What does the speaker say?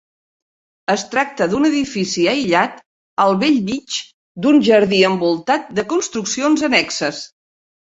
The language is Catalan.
Es tracta d'un edifici aïllat al bell mig d'un jardí envoltat de construccions annexes.